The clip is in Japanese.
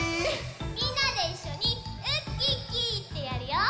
みんなでいっしょにウッキッキーってやるよ。